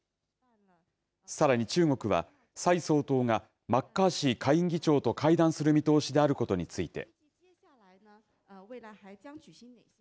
さらに中国は蔡総統がマッカーシー下院議長と会談する見通しであることについて。